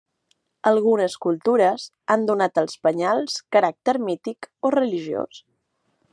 Algunes cultures han donat als penyals caràcter mític o religiós.